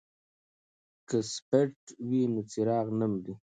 که سپیرټ وي نو څراغ نه مري.